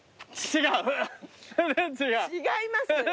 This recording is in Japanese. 違います。